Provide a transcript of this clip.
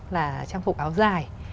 là trang phục áo dài